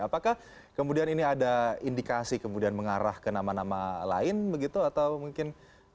apakah kemudian ini ada indikasi kemudian mengarah ke nama nama lain begitu atau mungkin